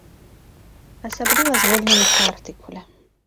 Асабліва звольненых па артыкуле.